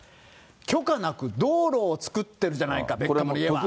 許可なく道路を造ってるじゃないか、ベッカムの家は。